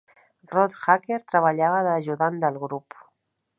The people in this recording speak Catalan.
Rothacker treballava d'ajudant del grup.